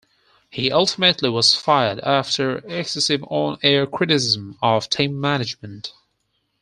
He ultimately was fired after excessive on-air criticism of team management.